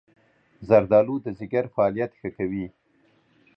زردآلو د ځيګر فعالیت ښه کوي.